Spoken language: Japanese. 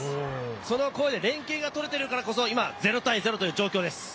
その声で連係がとれているからこそ今、０−０という状況です。